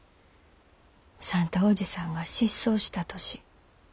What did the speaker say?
算太伯父さんが失踪した年。